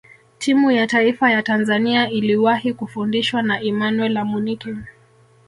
timu ya taifa ya tanzania iliwahi kufundishwa na emmanuel amunike